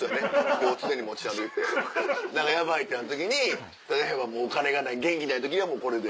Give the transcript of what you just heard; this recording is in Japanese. こう常に持ち歩いて何かヤバい！ってなった時に例えばもうお金がない現金ない時にはこれで。